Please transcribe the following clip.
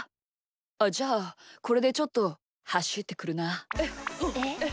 あっじゃあこれでちょっとはしってくるな。